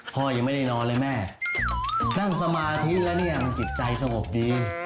พ่อยังไม่ได้นอนเลยแม่นั่งสมาธิแล้วเนี่ยมันจิตใจสงบดี